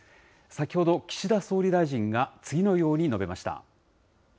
先ほど岸田総理大臣が次のように述べました。